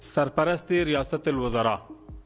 sarparasti riasatil wazarah